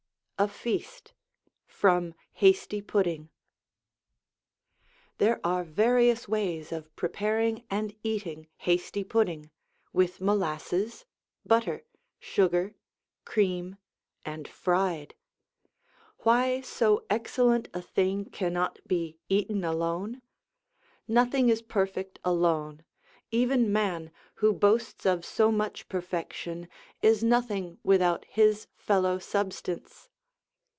A FEAST From 'Hasty Pudding' There are various ways of preparing and eating Hasty Pudding, with molasses, butter, sugar, cream, and fried. Why so excellent a thing cannot be eaten alone? Nothing is perfect alone; even man, who boasts of so much perfection, is nothing without his fellow substance.